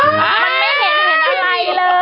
มันไม่เห็นอะไรเลยคุณแม่